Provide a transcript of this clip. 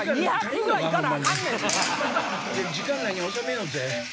時間内に収めようぜ。